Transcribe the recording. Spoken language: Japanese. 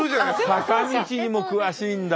坂道にも詳しいんだ！